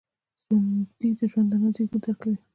ژوندي د ژوندانه زیږون درک کوي